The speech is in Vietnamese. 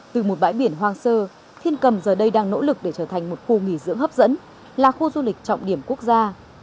từ một bãi biển hoang sơ thiên cầm giờ đây đang nỗ lực để trở thành một khu nghỉ dưỡng hấp dẫn là khu du lịch trọng điểm quốc gia